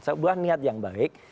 sebuah niat yang baik